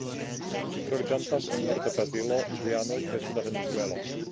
Ĝi troviĝantas en norda Brazilo, Gujanoj, kaj suda Venezuelo.